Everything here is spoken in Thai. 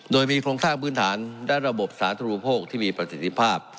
โดยมีโครงสร้างพื้นฐานด้านระบบสาธุโภคที่มีประสิทธิภาพ